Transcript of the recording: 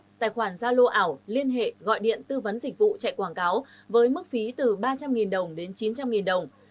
giao lô ảo liên hệ gọi điện tư vấn dịch vụ chạy quảng cáo với mức phí từ ba trăm linh đồng đến chín trăm linh đồng